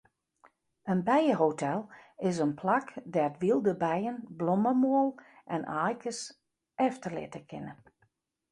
In bijehotel is in plak dêr't wylde bijen blommemoal en aaikes efterlitte kinne.